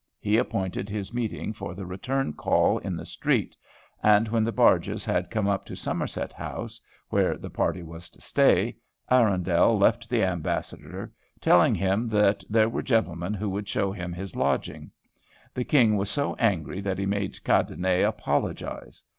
He appointed his meeting for the return call in the street; and when the barges had come up to Somerset House, where the party was to stay, Arundel left the Ambassador, telling him that there were gentlemen who would show him his lodging. The King was so angry that he made Cadenet apologize.